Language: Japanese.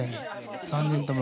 ３人とも。